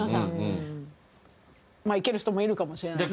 まあいける人もいるかもしれない。